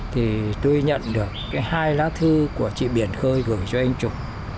thì tôi nhận được cái hai lá thư của chị biển khơi gửi cho anh trục